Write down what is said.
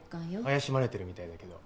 怪しまれてるみたいだけど。